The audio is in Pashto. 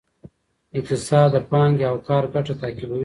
اقتصاد د پانګې او کار ګټه تعقیبوي.